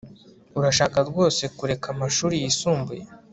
Urashaka rwose kureka amashuri yisumbuye